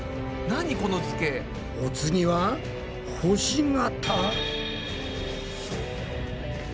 お次は星形？